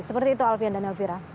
seperti itu alfian dan elvira